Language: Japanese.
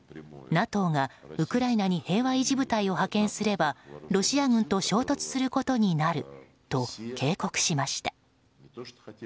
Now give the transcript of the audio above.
ＮＡＴＯがウクライナに平和維持部隊を派遣すればロシア軍と衝突することになると警告しました。